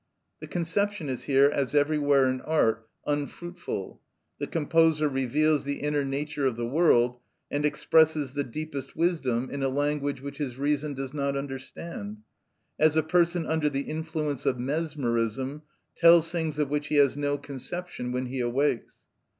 The conception is here, as everywhere in art, unfruitful. The composer reveals the inner nature of the world, and expresses the deepest wisdom in a language which his reason does not understand; as a person under the influence of mesmerism tells things of which he has no conception when he awakes.